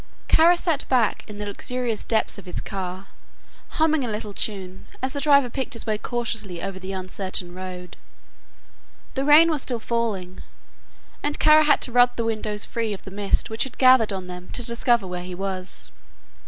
Kara sat back in the luxurious depths of his car, humming a little tune, as the driver picked his way cautiously over the uncertain road. The rain was still falling, and Kara had to rub the windows free of the mist which had gathered on them to discover where he was.